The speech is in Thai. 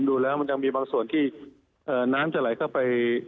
ดูแล้วมันยังมีบางส่วนที่น้ำจะไหลเข้าไป